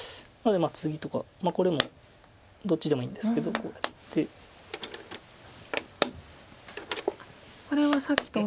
でツギとかこれもどっちでもいいんですけどこうやって。